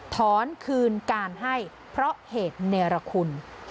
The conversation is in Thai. ถอนคืนการให้เพราะเหตุเนรคุณ